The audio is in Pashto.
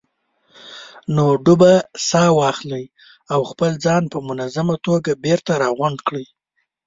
نو ډوبه ساه واخلئ او خپل ځان په منظمه توګه بېرته راغونډ کړئ.